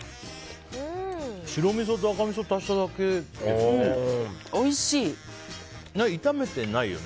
白みそと赤みそ足しただけですよね。